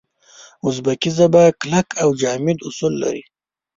اوزبکي ژبه کلک او جامد اصول لري.